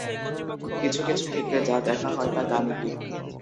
কিছু কিছু ক্ষেত্রে যা দেখা হয় তা গাণিতিক।